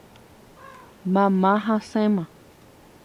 Mama hasẽma.